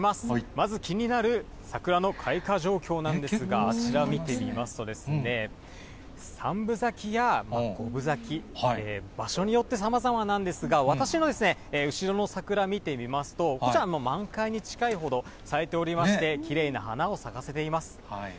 まず気になる桜の開花状況なんですが、あちら見てみますとですね、３分咲きや５分咲き、場所によってさまざまなんですが、私の後ろの桜見てみますと、こちらは満開に近いほど咲いておりまして、きれいな花を咲かせています。